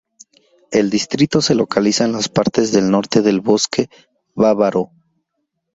El distrito se localiza en las partes del norte del "Bosque bávaro".